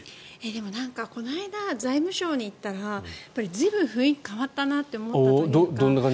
でも、この間財務省に行ったら随分、雰囲気変わったなと思ったというか。